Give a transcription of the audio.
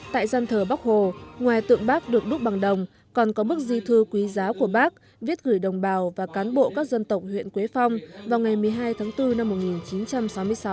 tại gian thờ bắc hồ ngoài tượng bác được đúc bằng đồng còn có mức di thư quý giá của bác viết gửi đồng bào và cán bộ các dân tộc huyện quế phong vào ngày một mươi hai tháng bốn năm một nghìn chín trăm sáu mươi sáu